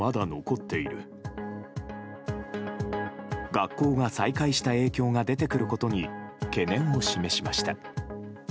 学校が再開した影響が出てくることに懸念を示しました。